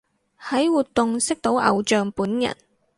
喺活動識到偶像本人